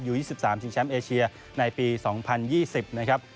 ๒๓ชิงแชมป์เอเชียในปี๒๐๒๐นะครับ